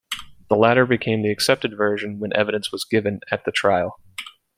The latter became the accepted version when evidence was given at the trial.